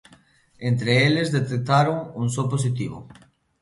Entre eles detectaron un só positivo.